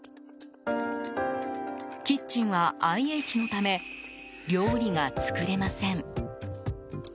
キッチンはＩＨのため料理が作れません。